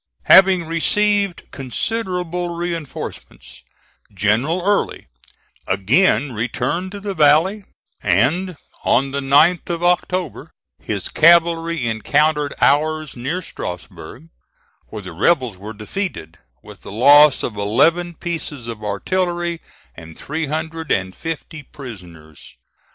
Having received considerable reinforcements, General Early again returned to the valley, and, on the 9th of October, his cavalry encountered ours near Strasburg, where the rebels were defeated, with the loss of eleven pieces of artillery and three hundred and fifty prisoners.